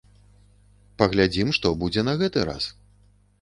Паглядзім, што будзе на гэты раз.